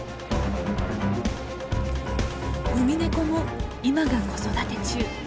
ウミネコも今が子育て中。